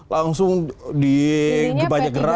langsung banyak gerak